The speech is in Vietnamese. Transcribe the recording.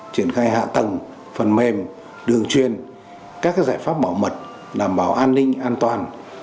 triển khai hạ tầng phần mềm đường truyền các giải pháp bảo mật đảm bảo an ninh an toàn